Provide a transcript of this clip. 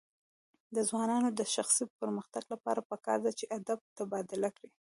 د ځوانانو د شخصي پرمختګ لپاره پکار ده چې ادب تبادله کړي.